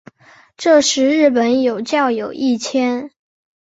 这时日本有教友一千。